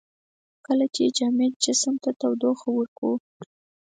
کله چې جامد جسم ته تودوخه ورکوو.